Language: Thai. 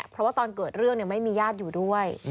เพราะว่าตอนเกิดเรื่องไม่มีญาติอยู่ด้วย